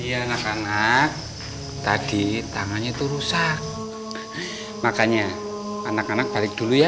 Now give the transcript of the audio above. hai iya anak anak tadi tangannya itu rusak makanya anak anak balik dulu ya